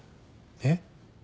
えっ？